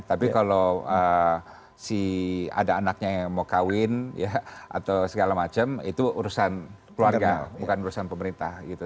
tapi kalau si ada anaknya yang mau kawin ya atau segala macam itu urusan keluarga bukan urusan pemerintah gitu